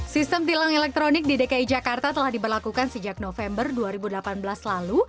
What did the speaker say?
sistem tilang elektronik di dki jakarta telah diberlakukan sejak november dua ribu delapan belas lalu